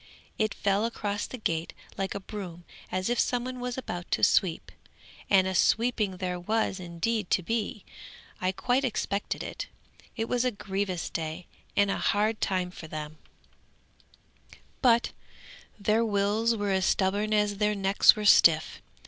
It fell across the gate like a broom, as if some one was about to sweep; and a sweeping there was indeed to be. I quite expected it. It was a grievous day and a hard time for them, but their wills were as stubborn as their necks were stiff.